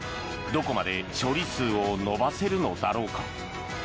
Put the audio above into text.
どこまで勝利数を伸ばせるのだろうか。